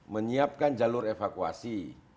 menyiapkan jalur evakuasi